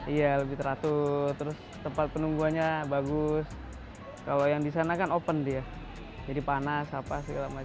iya lebih teratur terus tempat penungguannya bagus kalau yang di sana kan open dia jadi panas apa segala macam